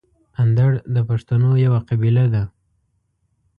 اندړ د پښتنو یوه قبیله ده.